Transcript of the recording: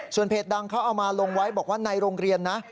เพจดังเขาเอามาลงไว้บอกว่าในโรงเรียนนะ